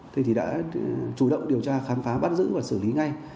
thế thì đã chủ động điều tra khám phá bắt giữ và xử lý ngay